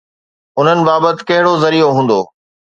انهن بابت ڪهڙو ذريعو هوندو؟